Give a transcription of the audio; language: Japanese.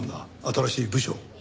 新しい部署。